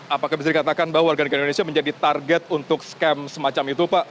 apakah bisa dikatakan bahwa warga negara indonesia menjadi target untuk scam semacam itu pak